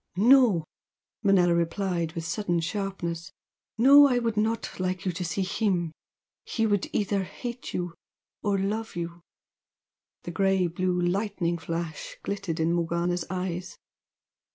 "No!" Manella replied with sudden sharpness "No! I would not like you to see him! He would either hate you or love you!" The grey blue lightning flash glittered in Morgana's eyes.